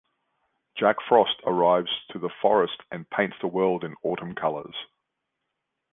Jack Frost arrives to the forest and paints the world in autumn colors.